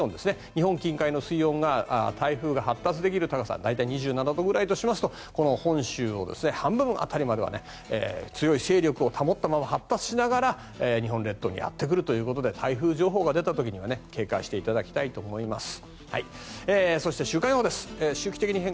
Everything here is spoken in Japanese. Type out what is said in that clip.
日本近海の水温が台風が発達できる高さ大体、２７度ぐらいとすると本州の半分辺りまで強い勢力を保ったまま発達しながら日本列島にやってきて台風情報が出た時は警戒していただきたいと思います。